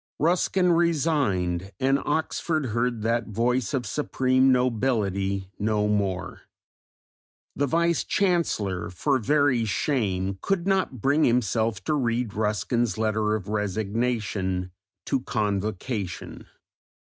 Ruskin resigned and Oxford heard that voice of supreme nobility no more. The Vice Chancellor for very shame could not bring himself to read Ruskin's letter of resignation to convocation.